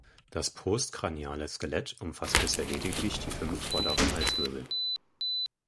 Das postcraniale Skelett umfasst bisher lediglich die fünf vorderen Halswirbel.